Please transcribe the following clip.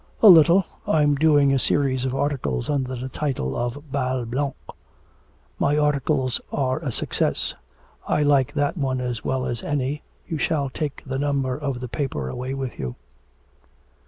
'A little, I'm doing a series of articles under the title of Bal Blanc. My articles are a success. I like that one as well as any, you shall take the number of the paper away with you.'